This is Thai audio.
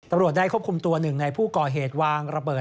ได้ควบคุมตัวหนึ่งในผู้ก่อเหตุวางระเบิด